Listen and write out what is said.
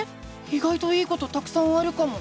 いがいといいことたくさんあるかも！